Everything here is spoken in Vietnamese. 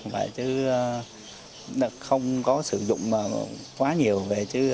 phải chứ không có sử dụng quá nhiều về chứ